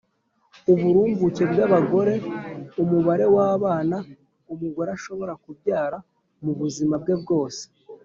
uburumbuke bw 'abagore (umubare w'abana umugore ashobora kubyara mu buzima bwe bwose)